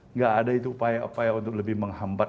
nggak ada itu upaya upaya untuk lebih menghambat